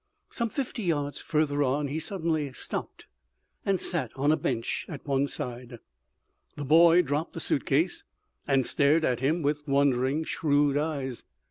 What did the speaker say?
Some fifty yards further on he suddenly stopped and sat on a bench at one side. The boy dropped the suit case and stared at him with wondering, shrewd eyes.